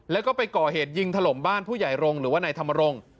แล้วก็ไปก่อเหตุยิงถล่มบ้านผู้ใหญ่รงค์หรือว่านายธรรมรงค์